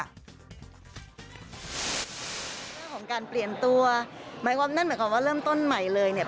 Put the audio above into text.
เรื่องของการเปลี่ยนตัวหมายความว่านั่นหมายความว่าเริ่มต้นใหม่เลยเนี่ย